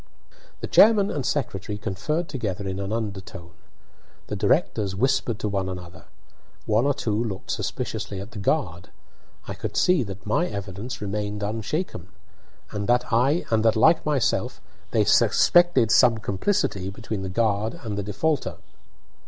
The chairman and secretary conferred together in an undertone. The directors whispered to one another. One or two looked suspiciously at the guard. I could see that my evidence remained unshaken, and that, like myself, they suspected some complicity between the guard and the defaulter.